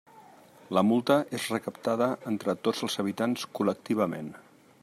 La multa és recaptada entre tots els habitants col·lectivament.